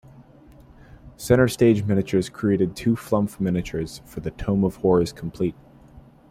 Center Stage Miniatures created two flumph miniatures for the "Tome of Horrors Complete".